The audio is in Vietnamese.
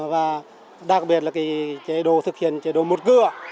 và đặc biệt là chế độ thực hiện chế độ một cửa